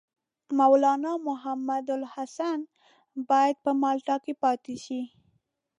مولنا محمودالحسن باید په مالټا کې پاته شي.